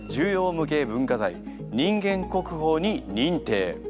無形文化財人間国宝に認定。